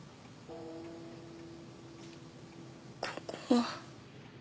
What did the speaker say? ここは？